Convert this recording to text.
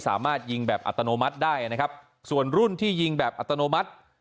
สามารถยิงแบบอัตโนมัติได้นะครับส่วนรุ่นที่ยิงแบบอัตโนมัติ